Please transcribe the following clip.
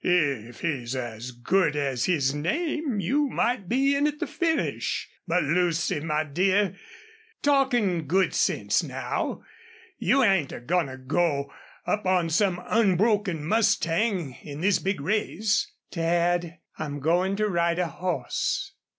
"If he's as good as his name you might be in at the finish.... But, Lucy, my dear, talkin' good sense now you ain't a goin' to go up on some unbroken mustang in this big race?" "Dad, I'm going to ride a horse."